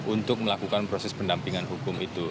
untuk melakukan proses pendampingan hukum itu